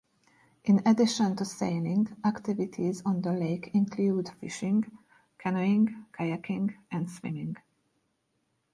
In addition to sailing, activities on the lake include fishing, canoeing, kayaking, and swimming.